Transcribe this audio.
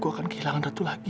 aku akan kehilangan ratu lagi